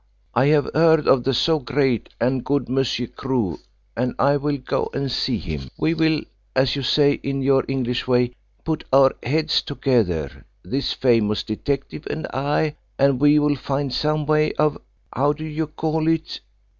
I have heard of the so great and good Monsieur Crewe, and I will go and see him. We will as you say in your English way put our heads together, this famous detective and I, and we will find some way of how do you call it?